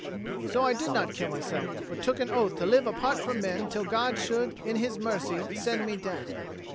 So I did not kill myself; but I took an oath to live apart from men till God should in His mercy send me death.